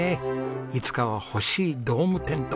いつかは欲しいドームテント！